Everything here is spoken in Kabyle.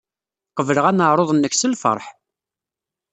Qebleɣ aneɛṛuḍ-nnek s lfeṛḥ.